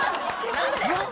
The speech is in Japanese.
何で？